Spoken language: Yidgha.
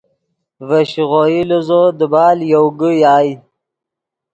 ڤے شیغوئی لیزو دیبال یوگے یائے